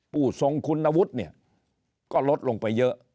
ผู้ทรงคุณวุฒิเนี่ยก็ลดลงไปเยอะ